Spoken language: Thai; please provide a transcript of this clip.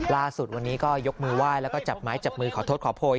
ล่าสุดวันนี้ก็ยกมือไหว้แล้วก็จับไม้จับมือขอโทษขอโพย